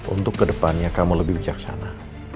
untuk kedepannya kamu lebih bijaksana